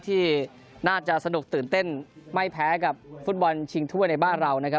ที่น่าจะสนุกตื่นเต้นไม่แพ้กับฟุตบอลชิงถ้วยในบ้านเรานะครับ